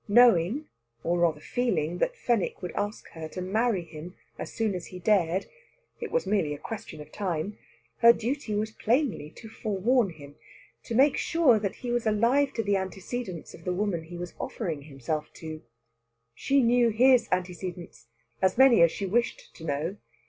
Knowing, or rather feeling, that Fenwick would ask her to marry him as soon as he dared it was merely a question of time her duty was plainly to forewarn him to make sure that he was alive to the antecedents of the woman he was offering himself to. She knew his antecedents; as many as she wished to know.